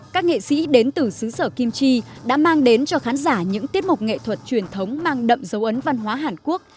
các nghệ sĩ đến từ xứ sở kim chi đã mang đến cho khán giả những tiết mục nghệ thuật truyền thống mang đậm dấu ấn văn hóa hàn quốc